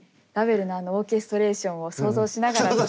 ラヴェルのオーケストレーションを想像しながら。